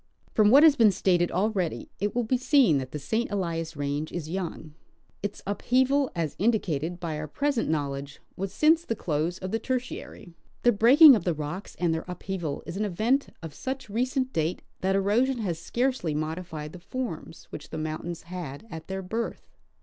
From what has been stated already, it will be seen that the St. Elias range is young. Its upheaval, as indicated by our present knowledge, was since the close of the Tertiary. The breaking of the rocks and their upheaval is an event of such recent date that erosion has scarcel}^ modified the forms which the mountains had at their birth.